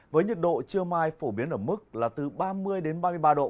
với nhiệt độ trưa mai phổ biến ở mức là từ ba mươi đến ba mươi ba độ